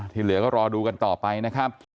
เหลือก็รอดูกันต่อไปนะครับ